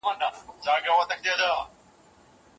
زه اجازه لرم چي پلان جوړ کړم.